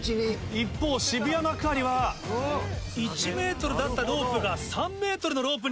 一方渋谷幕張は１ｍだったロープが３ｍのロープに。